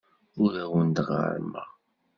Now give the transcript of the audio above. Ur awen-d-ɣerrmeɣ.